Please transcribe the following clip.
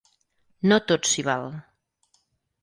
No tot s'hi val.